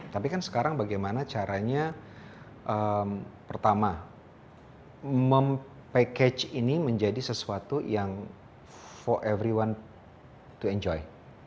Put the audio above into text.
tapi kan sekarang bagaimana caranya pertama mem package ini menjadi sesuatu yang for every one to enjoy